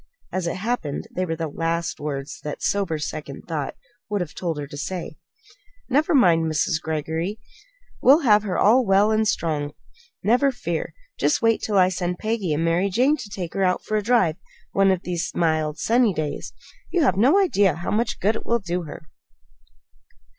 As it happened, they were the last words that sober second thought would have told her to say. "Never mind, Mrs. Greggory. We'll have her all well and strong soon; never fear! Just wait till I send Peggy and Mary Jane to take her out for a drive one of these mild, sunny days. You have no idea how much good it will do her!"